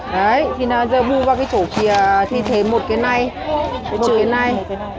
đấy thì giờ mua qua cái chỗ kia thì thêm một cái này một cái này